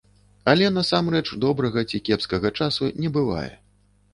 Але насамрэч добрага ці кепскага часу не бывае.